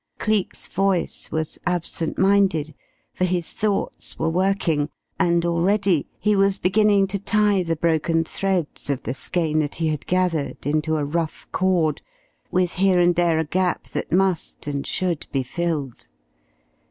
Cleek's voice was absent minded, for his thoughts were working, and already he was beginning to tie the broken threads of the skein that he had gathered into a rough cord, with here and there a gap that must and should be filled.